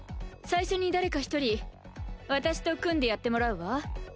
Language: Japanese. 最初に誰か一人私と組んでやってもらうわ。